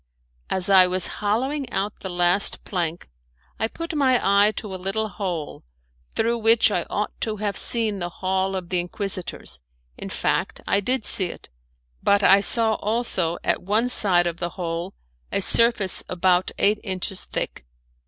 As I was hollowing out the last plank, I put my eye to a little hole, through which I ought to have seen the hall of the Inquisitors in fact, I did see it, but I saw also at one side of the hole a surface about eight inches thick.